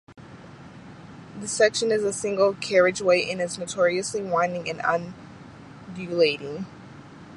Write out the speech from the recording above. This section is a single carriageway and is notoriously winding and undulating.